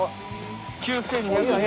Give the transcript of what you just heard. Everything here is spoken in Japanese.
９，２０２円。